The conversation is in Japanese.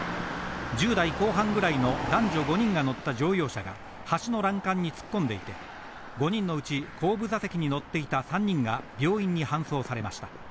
１０代後半ぐらいの男女５人が乗った乗用車が橋の欄干に突っ込んでいて、５人のうち、後部座席に乗っていた３人が病院に搬送されました。